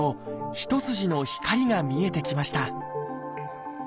一筋の光が見えてきました